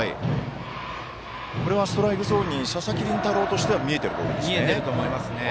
ストライクゾーンに佐々木麟太郎としては見えていると思います。